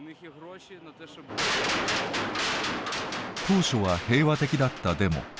当初は平和的だったデモ。